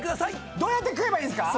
どうやって食えばいいですか？